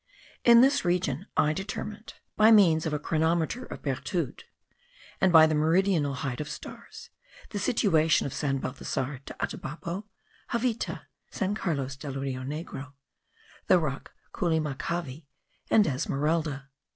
In this region I determined, by means of a chronometer by Berthoud, and by the meridional heights of stars, the situation of San Balthasar de Atabapo, Javita, San Carlos del Rio Negro, the rock Culimacavi, and Esmeralda.